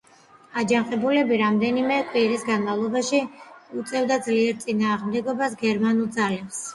აჯანყებულები რამდენიმე კვირის განმავლობაში უწევდნენ ძლიერ წინააღმდეგობას გერმანულ ძალებს.